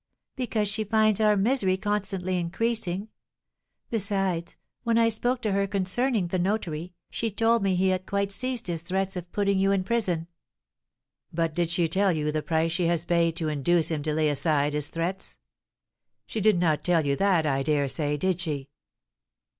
"Because she finds our misery constantly increasing. Besides, when I spoke to her concerning the notary, she told me he had quite ceased his threats of putting you in prison." "But did she tell you the price she has paid to induce him to lay aside his threats? She did not tell you that, I dare say, did she?